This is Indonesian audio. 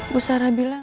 bu sarah bilang